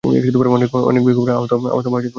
অনেক বিক্ষোভকারী আহত বা নিহত হয়েছে।